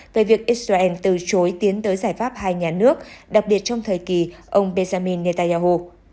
về việc israel từ chối tiến tới giải pháp hai nhà nước đặc biệt trong thời kỳ ông benjamin netanyahu